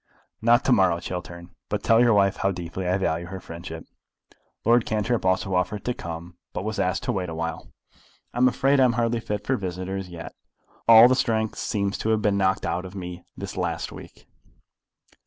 "Not to morrow, Chiltern. But tell your wife how deeply I value her friendship." Lord Cantrip also offered to come, but was asked to wait awhile. "I am afraid I am hardly fit for visitors yet. All the strength seems to have been knocked out of me this last week."